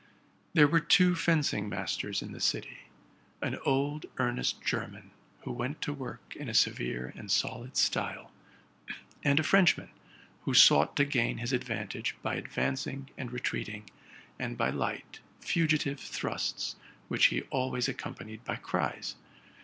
There were two fencing masters in the city : an old, earnest German, who went to work in a severe and solid style ; and a Frenchman, who sought to gain his advantage by advancing and retreating, and by light, fugitive thrusts, | which he always accompanied "by cries.